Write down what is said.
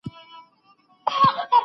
پیغمبران د خلګو د لارښووني لپاره راغلل.